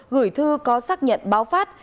gửi thư có xác nhận báo phát